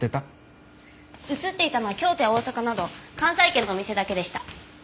映っていたのは京都や大阪など関西圏のお店だけでした。